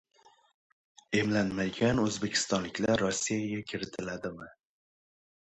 Emlanmagan o‘zbekistonliklar Rossiyaga kiritiladimi?